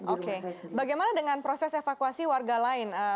oke bagaimana dengan proses evakuasi warga lain